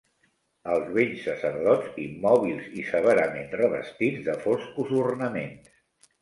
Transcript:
Els vells sacerdots, immòbils i severament revestits de foscos ornaments;